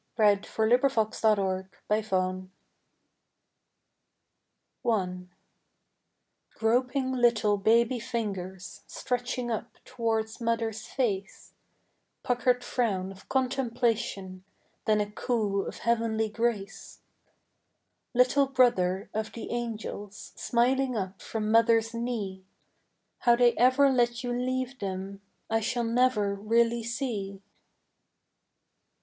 4i Preludes of Poetry and Music FRAGMENTS I G ROPING little baby fingers Stretching up toward mother's face, Puckered frown of contemplation, Then a coo of heavenly grace. Little brother of the angels, Smiling up from mother's knee, How they ever let you leave them I shall never really see.